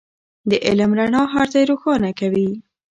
د علم رڼا هر ځای روښانه کوي.